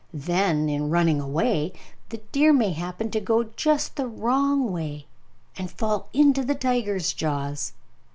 Then, in running away, the deer may happen to go just the wrong way and fall into the tiger's jaws.